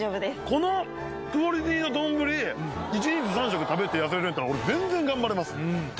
このクオリティーのどんぶり１日３食食べて痩せれるんだったら俺全然頑張れます仲いいな